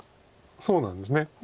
そうなんです。